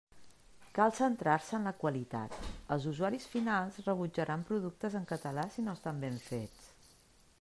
Cal centrar-se en la qualitat: els usuaris finals rebutjaran productes en català si no estan ben fets.